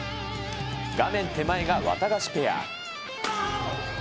画面手前がワタガシペア。